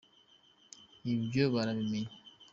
ibyo barabimenye.